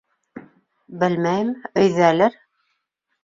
Белмәйем, өйҙәлер.